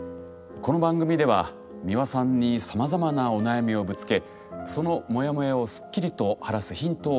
この番組では美輪さんにさまざまなお悩みをぶつけそのモヤモヤをスッキリと晴らすヒントを頂きます。